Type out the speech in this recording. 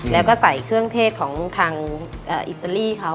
แล้วก็ใส่เครื่องเทศของทางอิตาลีเขา